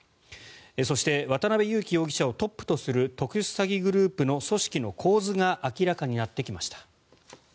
そして、渡邉優樹容疑者をトップとする特殊詐欺グループの組織の構図が明らかになってきました。